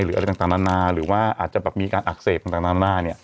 หรืออะไรต่างต่างนานาหรือว่าอาจจะแบบมีการอักเสบต่างต่างนานาเนี้ย